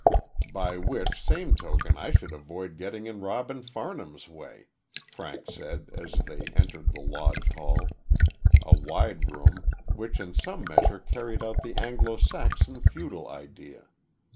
"By which same token I shall avoid getting in Robin Farnham's way," Frank said, as they entered the Lodge hall a wide room, which in some measure carried out the Anglo Saxon feudal idea.